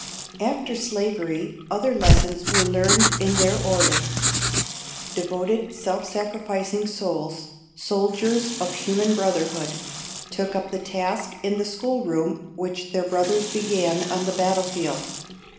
After slavery other lessons were learned in their order. Devoted self sacrificing souls soldiers of human brotherhood took up the task in the schoolroom which their brothers began on the battlefield.